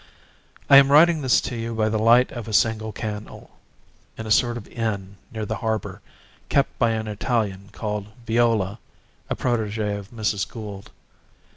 I am writing this to you by the light of a single candle, in a sort of inn, near the harbour, kept by an Italian called Viola, a protege of Mrs. Gould.